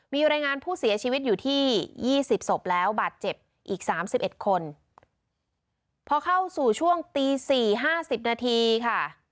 มีรายงานผู้เสียชีวิตอยู่ที่ยี่สิบศพแล้วบาดเจ็บอีกสามสิบเอ็ดคนพอเข้าสู่ช่วงตีสี่ห้าสิบนาทีค่ะ